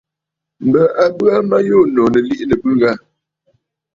M̀bə a bə aa ma yû ànnù, nɨ̀ liꞌìnə̀ ɨ̀bɨ̂ ghâ.